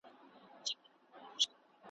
هر یوه ته خپل قسمت وي رسېدلی `